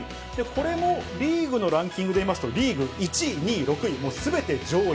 これもリーグのランキングでいいますと、リーグ１位、２位、６位、もうすでに上位。